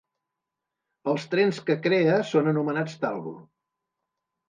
Els trens que crea són anomenats Talgo.